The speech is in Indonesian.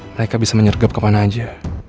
mereka bisa menyergap kemana aja